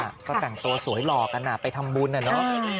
ก็แต่งตัวสวยหล่อกันไปทำบุญน่ะเนอะ